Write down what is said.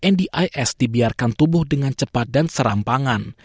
nis dibiarkan tubuh dengan cepat dan serampangan